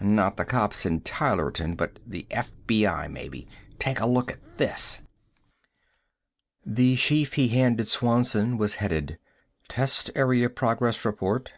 Not the cops in Tylerton, but the F.B.I., maybe. Take a look at this!" The sheaf he handed Swanson was headed: "Test Area Progress Report.